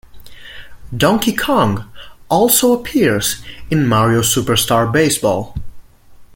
Donkey Kong also appears in "Mario Superstar Baseball".